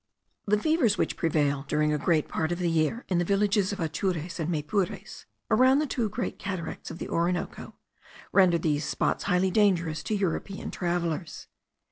The fevers which prevail during a great part of the year in the villages of Atures and Maypures, around the two Great Cataracts of the Orinoco, render these spots highly dangerous to European travellers.